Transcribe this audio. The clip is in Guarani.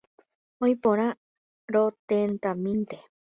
Oĩporã, rotentamínte.